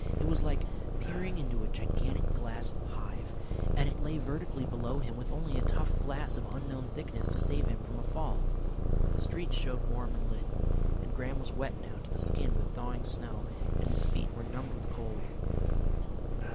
It was like peering into a gigantic glass hive, and it lay vertically below him with only a tough glass of unknown thickness to save him from a fall. The street showed warm and lit, and Graham was wet now to the skin with thawing snow, and his feet were numbed with cold.